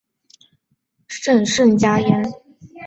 朕甚嘉焉。